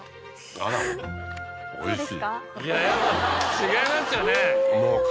あぁおいしい。